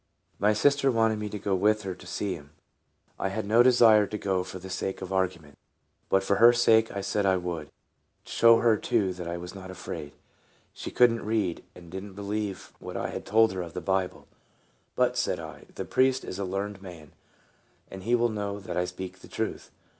My sister wanted me to go with her to 9 66 TRANSFORMED. see him. I had no desire to go for the sake of argument, but for her sake I said I would, to show her too that I was not afraid. She could n't read, and did n't believe what I had told her of the Bible. " But," said I, " the priest is a learned man, and he will know that I speak the truth."